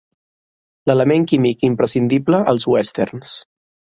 L'element químic imprescindible als Westerns.